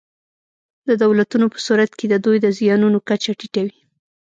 د دولتونو په صورت کې د دوی د زیانونو کچه ټیټه وي.